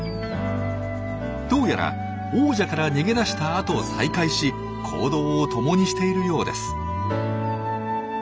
どうやら王者から逃げ出したあと再会し行動を共にしているようです。